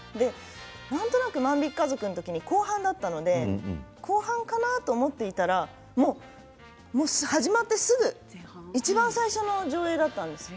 なんとなく「万引き家族」の時に後半だったので後半かなと思ったら始まってすぐいちばん最初の上映だったんです。